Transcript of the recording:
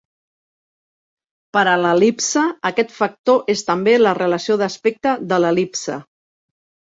Per a l'el·lipse, aquest factor és també la relació d'aspecte de l'el·lipse.